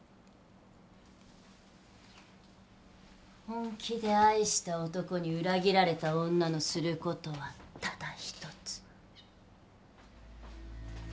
本気で愛した男に裏切られた女のする事はただ一つ。